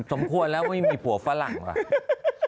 ก็ควรแล้วว่าไม่มีผัวฝรั่งหรอก